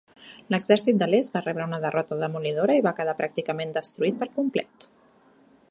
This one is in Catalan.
L'Exèrcit de l'Est va rebre una derrota demolidora i va quedar pràcticament destruït per complet.